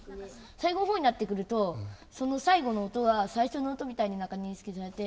最後のほうになってくると最後の音が最初の音みたいに認識されて。